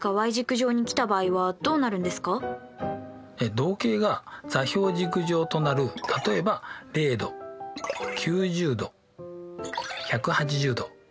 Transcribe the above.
動径が座標軸上となる例えば０°９０°１８０°